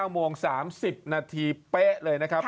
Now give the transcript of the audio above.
๙โมง๓๐นาทีเป๊ะเลยนะครับ